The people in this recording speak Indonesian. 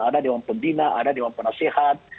ada dewan pembina ada dewan penasehat